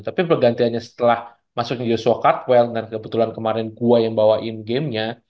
tapi pergantiannya setelah masuknya joshua cutwell dengan kebetulan kemarin gue yang bawain gamenya